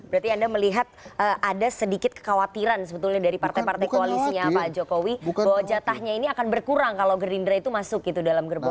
berarti anda melihat ada sedikit kekhawatiran sebetulnya dari partai partai koalisinya pak jokowi bahwa jatahnya ini akan berkurang kalau gerindra itu masuk gitu dalam gerbong